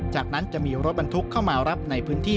จากนั้นจะมีรถบรรทุกเข้ามารับในพื้นที่